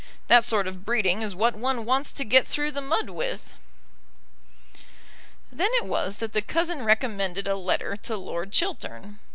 That sort of breeding is what one wants to get through the mud with." Then it was that the cousin recommended a letter to Lord Chiltern.